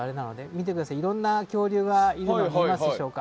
見てください、いろんな恐竜がいるのが見えますでしょうか。